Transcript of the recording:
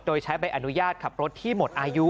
โดยใช้ใบอนุญาตขับรถที่หมดอายุ